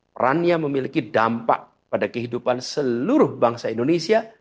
perannya memiliki dampak pada kehidupan seluruh bangsa indonesia